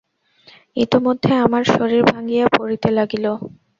ইতোমধ্যে আমার শরীর ভাঙিয়া পড়িতে লাগিল।